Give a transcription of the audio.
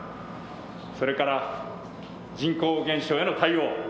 それから人口減少への対応。